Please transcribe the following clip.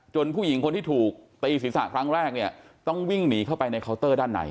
ผู้หญิงคนที่ถูกตีศีรษะครั้งแรกเนี่ยต้องวิ่งหนีเข้าไปในเคาน์เตอร์ด้านใน